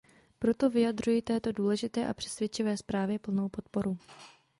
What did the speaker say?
Proto vyjadřuji této důležité a přesvědčivé zprávě plnou podporu.